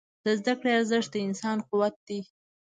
د زده کړې ارزښت د انسان قوت دی.